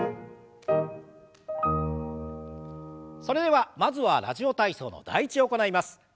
それではまずは「ラジオ体操」の「第１」を行います。